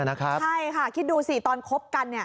ใช่ค่ะคิดดูสิตอนคบกัน